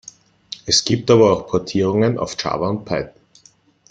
Es gibt aber auch Portierungen auf Java und Python.